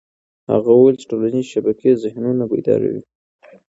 هغه وویل چې ټولنيزې شبکې ذهنونه بیداروي.